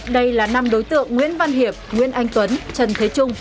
đây là năm đối tượng nguyễn văn hiệp nguyễn anh tuấn trần thế trung